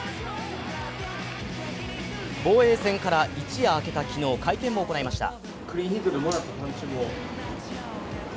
防衛戦から一夜明けた昨日、会見を行いました。